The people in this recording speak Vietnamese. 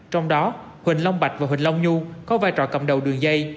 trong đó huỳnh long bạch và huỳnh long nhu có vai trò cầm đầu đường dây